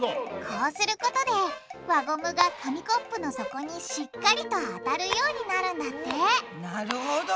こうすることで輪ゴムが紙コップの底にしっかりと当たるようになるんだってなるほど。